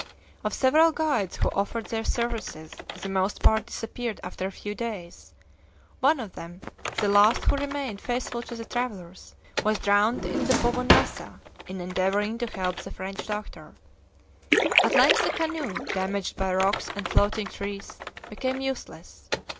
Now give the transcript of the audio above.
Of several guides who offered their services, the most part disappeared after a few days; one of them, the last who remained faithful to the travelers, was drowned in the Bobonasa, in endeavoring to help the French doctor. At length the canoe, damaged by rocks and floating trees, became useless.